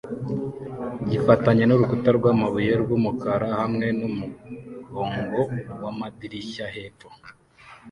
gifatanye nurukuta rwamabuye rwumukara hamwe numurongo wamadirishya hepfo